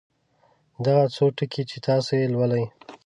دغه څو ټکي چې تاسې یې لولئ.